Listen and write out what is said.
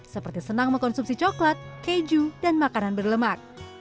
seperti senang mengkonsumsi coklat keju dan makanan berlemak